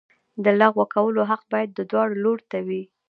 د لغوه کولو حق باید دواړو لورو ته وي.